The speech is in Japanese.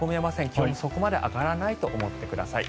気温そこまで上がらないと思ってください。